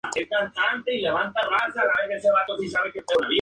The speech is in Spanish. En la inauguración participó el Ministro de Información y Turismo, Manuel Fraga.